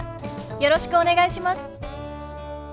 よろしくお願いします。